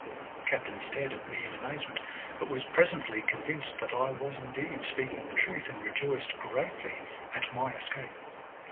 The captain stared at me in amazement, but was presently convinced that I was indeed speaking the truth, and rejoiced greatly at my escape.